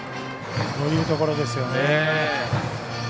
こういうところですよね。